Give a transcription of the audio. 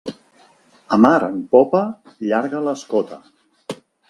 A mar en popa, llarga l'escota.